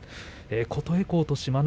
琴恵光と志摩ノ